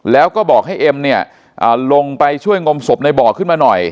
แล้วก็บอกให้เอ็มเนี่ยลงไปช่วยงมศพในบ่อขึ้นมาหน่อย